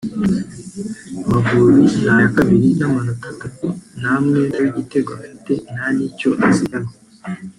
Amavubi ni aya kabiri n’amanota atatu nta mwenda w’igitego afite nta n’icyo azigamye